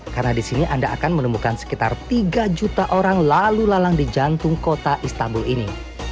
karena disini anda akan menemukan sekitar tiga juta orang lalu lalang di jantung kota istanbul ini